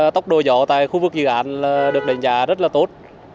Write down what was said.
tốc độ gió tại khu vực dự án được đánh giá rất là tốt